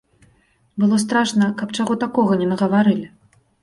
Было страшна, каб чаго такога не нагаварылі.